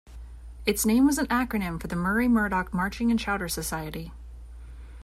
Its name was an acronym for the Murray Murdoch Marching and Chowder Society.